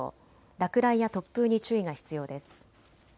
落雷や突風に注意が必要です。